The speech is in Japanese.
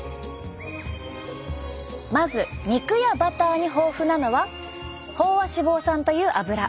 まず肉やバターに豊富なのは飽和脂肪酸というアブラ。